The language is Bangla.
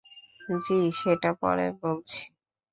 জি, সেটা পরে বলছি।